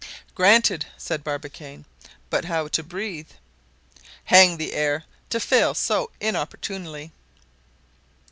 "Granted," said Barbicane, "but how to breathe?" "Hang the air, to fail so inopportunely!"